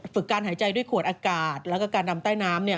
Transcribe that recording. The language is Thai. ฝึกการหายใจด้วยขวดอากาศแล้วก็การนำใต้น้ำ